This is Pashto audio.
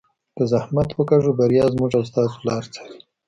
که زحمت وکاږو بریا زموږ او ستاسو لار څاري.